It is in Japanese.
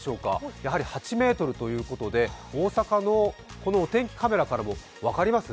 やはり８ｍということで大阪のお天気カメラからも分かります？